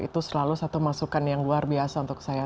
itu selalu satu masukan yang luar biasa untuk saya